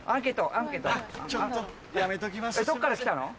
どっから来たの？